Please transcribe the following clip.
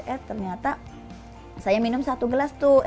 eh ternyata saya minum satu gelas tuh